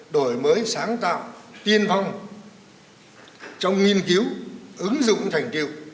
đổi mới sáng tạo tiên phong trong nghiên cứu ứng dụng thành tiệu